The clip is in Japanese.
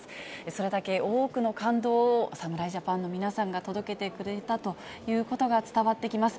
それだけ多くの感動を、侍ジャパンの皆さんが届けてくれたということが伝わってきます。